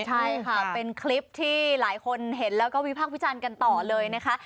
ใช่ค่ะเป็นคลิปที่หลายคนเห็นแล้วก็วิพากษ์วิจารณ์กันต่อเลยนะคะ